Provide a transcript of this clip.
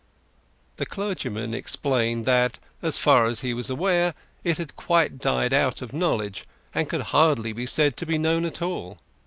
The clergyman explained that, as far as he was aware, it had quite died out of knowledge, and could hardly be said to be known at all.